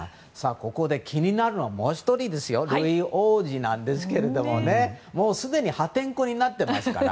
ここで気になるのはもう１人、ルイ王子なんですがもう、すでに破天荒になっていますから。